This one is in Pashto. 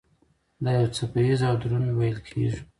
دا یو څپه ایز او دروند ویل کېږي.